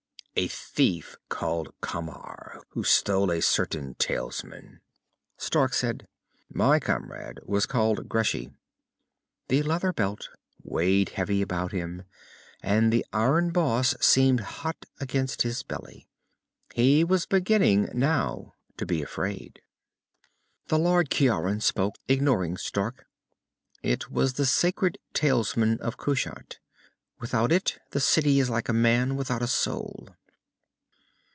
A thief named Camar, who stole a certain talisman." Stark said, "My comrade was called Greshi." The leather belt weighed heavy about him, and the iron boss seemed hot against his belly. He was beginning, now, to be afraid. The Lord Ciaran spoke, ignoring Stark. "It was the sacred talisman of Kushat. Without it, the city is like a man without a soul."